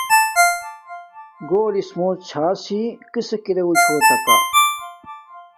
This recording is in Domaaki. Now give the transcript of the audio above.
گݸلِسمݸ ݼݳسݵ کِسݵک ارݸ چھݸتَکݳ؟